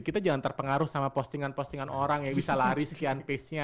kita jangan terpengaruh sama postingan postingan orang yang bisa lari sekian pace nya